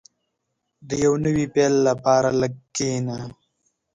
• د یو نوي پیل لپاره لږ کښېنه.